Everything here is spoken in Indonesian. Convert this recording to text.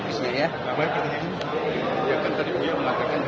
ya kan tadi dia mengatakan bahwa kalau dia mau menikah kerja sudah dia siap menggunakannya